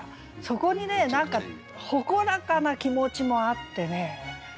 そこにね何か誇らかな気持ちもあってね。